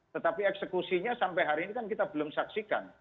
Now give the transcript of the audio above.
tetapi eksekusinya sampai hari ini kan kita belum saksikan